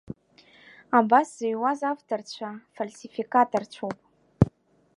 Абас зыҩуаз авторцәа фальсификаторцәоуп.